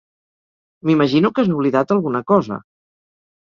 M'imagino que has oblidat alguna cosa.